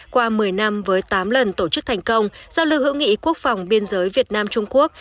qua một mươi năm với tám lần tổ chức thành công giao lưu hữu nghị quốc phòng biên giới việt nam trung quốc